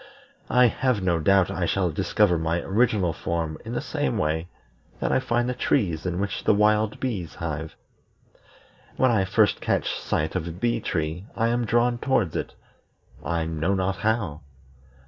I have no doubt I shall discover my original form in the same way that I find the trees in which the wild bees hive. When I first catch sight of a bee tree I am drawn towards it, I know not how.